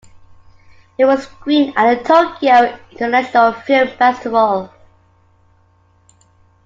It was screened at the Tokyo International Film Festival.